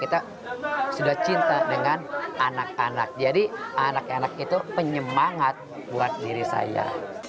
kita sudah cinta dengan anak anak jadi anak anak itu penyemangat buat diri saya